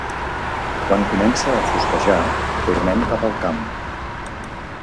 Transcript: Quan comença a fosquejar tornem cap al camp.